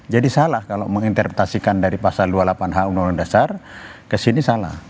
jadi salah kalau menginterpretasikan dari pasal dua puluh delapan h undang undang dasar ke sini salah